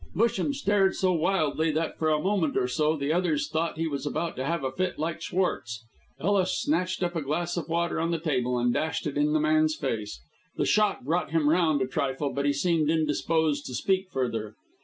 Busham stared so wildly that for a moment or so the others thought he was about to have a fit like Schwartz. Ellis snatched up a glass of water from the table and dashed it in the man's face. The shock brought him round a trifle, but he seemed indisposed to speak further.